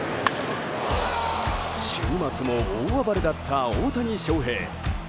週末も大暴れだった大谷翔平。